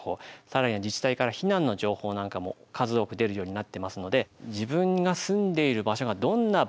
更には自治体から避難の情報なんかも数多く出るようになってますので自分が住んでいる場所がどんな場所なのか。